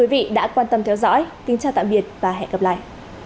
và hẹn gặp lại